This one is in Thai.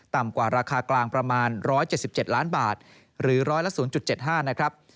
กว่าราคากลางประมาณ๑๗๗ล้านบาทหรือร้อยละ๐๗๕นะครับ